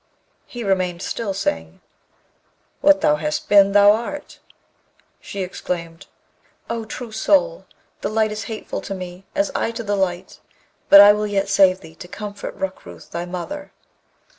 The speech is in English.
He remained still, saying, 'What thou hast been thou art.' She exclaimed, 'O true soul, the light is hateful to me as I to the light; but I will yet save thee to comfort Rukrooth, thy mother.'